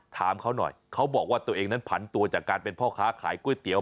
ถามเขาหน่อยเขาบอกว่าตัวเองนั้นผันตัวจากการเป็นพ่อค้าขายก๋วยเตี๋ย